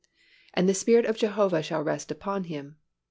"And the Spirit of Jehovah shall rest upon him."